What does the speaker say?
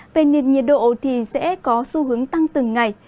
về nền nhiệt độ thì sẽ có xu hướng tăng từng ngày